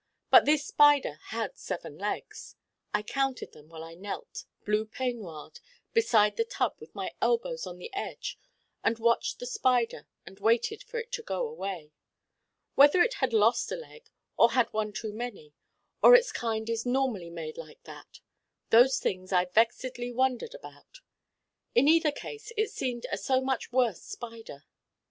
But this Spider had seven legs. I counted them while I knelt, blue peignoired, beside the tub with my elbows on the edge and watched the Spider and waited for it to go away. Whether it had lost a leg, or had one too many, or its kind is normally made like that: those things I vexedly wondered about. In either case it seemed a so much worse Spider.